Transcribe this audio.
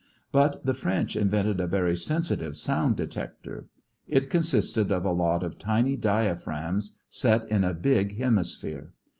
But the French invented a very sensitive sound detector. It consisted of a lot of tiny diaphragms set in a big hemisphere.